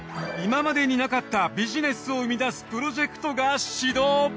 今までになかったビジネスを生み出すプロジェクトが始動！